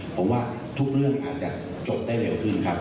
ผมว่าทุกเรื่องอาจจะจบได้เร็วขึ้นครับ